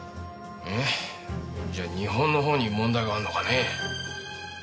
えっじゃあ日本の方に問題があんのかねぇ。